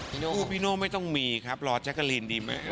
โน่พี่โน่ไม่ต้องมีครับรอแจ๊กกะลีนดีไหม